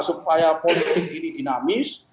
supaya politik ini dinamis